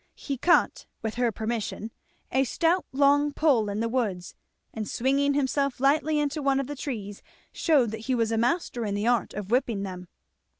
He cut, with her permission, a stout long pole in the woods; and swinging himself lightly into one of the trees shewed that he was a master in the art of whipping them.